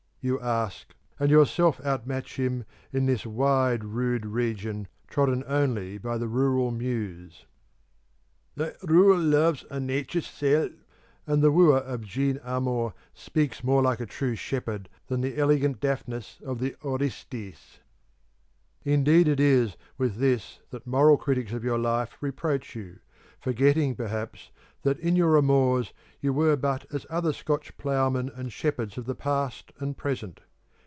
you ask, and yourself out match him in this wide rude region, trodden only by the rural Muse. 'Thy rural loves are nature's sel';' and the wooer of Jean Armour speaks more like a true shepherd than the elegant Daphnis of the 'Oaristys.' Indeed it is with this that moral critics of your life reproach you, forgetting, perhaps, that in your amours you were but as other Scotch ploughmen and shepherds of the past and present.